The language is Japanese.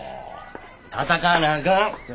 闘わなあかん！